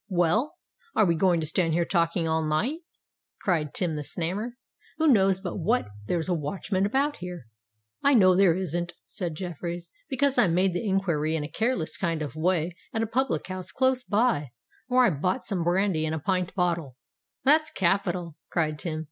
"Well, are we going to stand here talking all night?" cried Tim the Snammer. "Who knows but what there's a watchman about here?" "I know there isn't," said Jeffreys: "because I made the enquiry in a careless kind of way at a public house close by, where I bought some brandy in a pint bottle." "That's capital!" cried Tim.